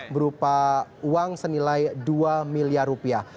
berupa uang senilai dua miliar rupiah